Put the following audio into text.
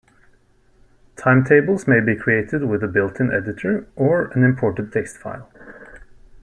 Timetables may be created with the built-in editor or an imported text file.